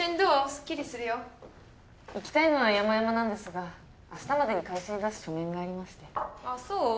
スッキリするよ行きたいのはやまやまなんですが明日までに会社に出す書面がありましてあっそう？